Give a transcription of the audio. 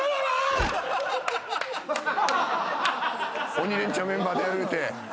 『鬼レンチャン』メンバーでやる言うて。